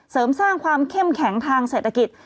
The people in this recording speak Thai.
เสริมสร้างความเข้มแข็งทางเศรษฐกิจ